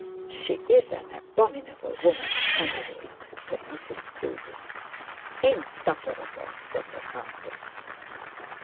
'She's an abominable woman at any rate,' said Mrs Proudie. 'Insufferable,' said the countess.